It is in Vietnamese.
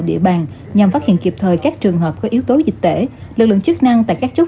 địa bàn nhằm phát hiện kịp thời các trường hợp có yếu tố dịch tễ lực lượng chức năng tại các chốt